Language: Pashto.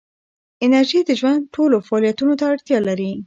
انرژي د ژوند ټولو فعالیتونو ته اړتیا ده.